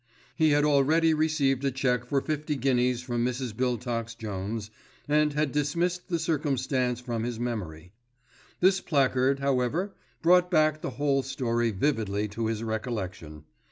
He had already received a cheque for fifty guineas from Mrs. Biltox Jones, and had dismissed the circumstance from his memory. This placard, however, brought back the whole story vividly to his recollection.